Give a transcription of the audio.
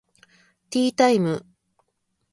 ティータイム